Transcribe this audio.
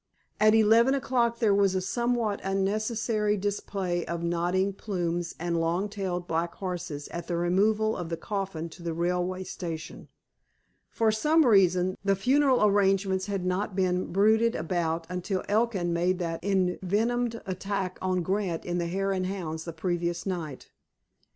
At eleven o'clock there was a somewhat unnecessary display of nodding plumes and long tailed black horses at the removal of the coffin to the railway station. For some reason, the funeral arrangements had not been bruited about until Elkin made that envenomed attack on Grant in the Hare and Hounds the previous night.